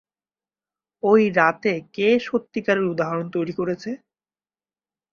ওই রাতে কে সত্যিকারের উদাহরণ তৈরি করেছে?